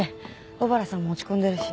小原さんも落ち込んでるし。